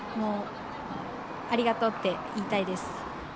ありがとうって言いたいです。